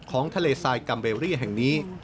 ของทะเลทรายกัมเบรี่แห่งนี้